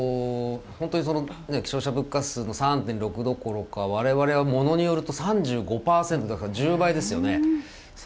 本当に消費者物価指数の３．６どころか我々はものによると３５％だから１０倍ですよね。